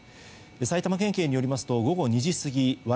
埼玉県警によりますと午後２時過ぎ蕨